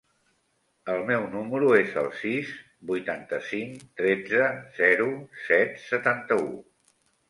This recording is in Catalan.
El meu número es el sis, vuitanta-cinc, tretze, zero, set, setanta-u.